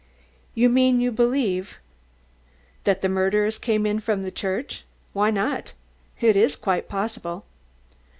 "You mean you believe " "That the murderers came in from the church? Why not? It is quite possible."